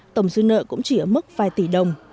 tổng dư nợ cũng chỉ ở mức vài tỷ đồng